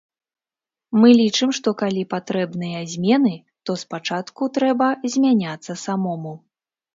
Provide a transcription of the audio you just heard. Мы лічым, што калі патрэбныя змены, то спачатку трэба змяняцца самому.